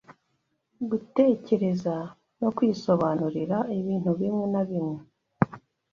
gutekereza no kwisobanurira ibintu bimwe na bimwe